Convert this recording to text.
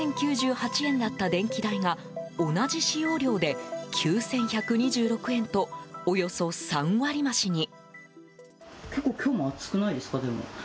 去年、７０９８円だった電気代が同じ使用量で９１２６円とおよそ３割増しに。